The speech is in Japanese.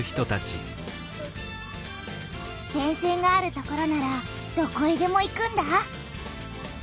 電線がある所ならどこへでも行くんだ。